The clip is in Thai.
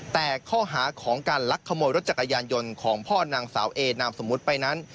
แต่ข้อหาของการลักขโมยรถจักรยานยนต์ของพ่อนางสาวเอนามสมมุติไปนั้น